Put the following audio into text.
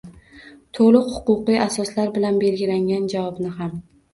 To‘liq huquqiy asoslar bilan berilgan javobni ham